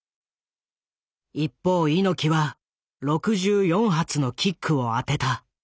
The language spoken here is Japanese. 一方猪木は６４発のキックを当てた。